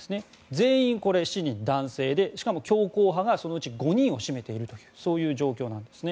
全員７人が男性でしかも穏健派がそのうち５人を占めているという状況なんですね。